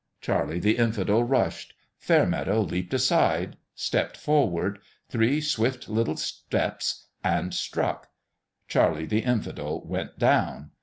Charlie the Infidel rushed. Fairmeadow leaped aside stepped forward three swift little steps and struck. Charlie the Infidel went down.